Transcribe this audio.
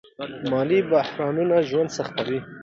مالي بحرانونه ژوند سختوي.